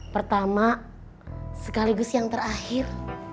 pertama sekaligus yang terakhir